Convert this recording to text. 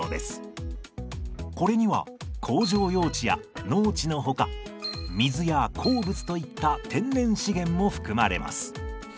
これには工場用地や農地のほか水や鉱物といった天然資源も含まれます。